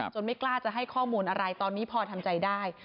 ไม่กล้าจะให้ข้อมูลอะไรตอนนี้พอทำใจได้